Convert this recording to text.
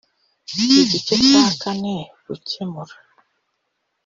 igice cya iv gukemura